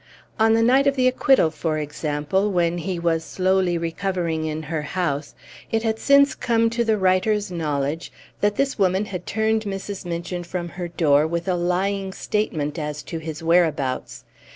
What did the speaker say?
On the night of the acquittal, for example, when he was slowly recovering in her house, it had since come to the writer's knowledge that this woman had turned Mrs. Minchin from her door with a lying statement as to his whereabouts.